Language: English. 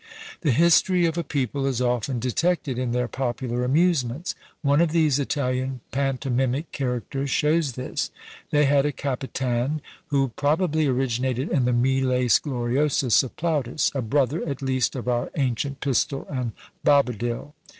The history of a people is often detected in their popular amusements; one of these Italian pantomimic characters shows this. They had a Capitan, who probably originated in the Miles gloriosus of Plautus; a brother, at least, of our Ancient Pistol and Bobadil.